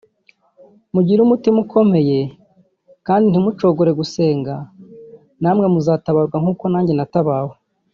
mugire umutima ukomeye kandi ntimucogore gusenga namwe muzatabarwa nk’uko nange natabawe